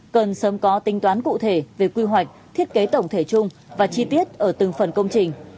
cần sớm có tính toán cụ thể về quy hoạch thiết kế tổng thể chung và chi tiết ở từng phần công trình